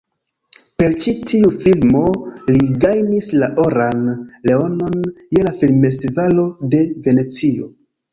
Per ĉi tiu filmo li gajnis la oran leonon je la Filmfestivalo de Venecio.